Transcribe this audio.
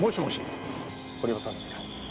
堀場さんですか？